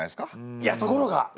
いやところが！